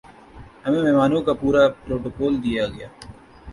ہمیں مہمانوں کا پورا پروٹوکول دیا گیا